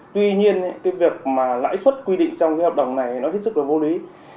tuy nhiên việc lãi suất quy định trong hợp đồng này rất vô lý